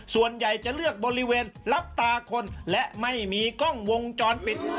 ส่วนใหญ่จะเลือกบริเวณรับตาคนและไม่มีกล้องวงจรปิด